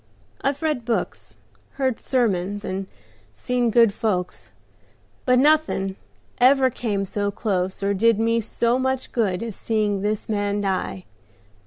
I've read books, heard sermons, and seen good folks, but nothing ever came so close or did me so much good as seeing this man die.